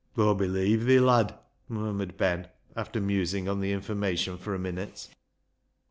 " Aw believe thi, lad," murmured Ben, after musing on the information for a minute.